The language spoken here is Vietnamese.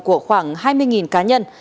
của khoảng hai mươi cá nhân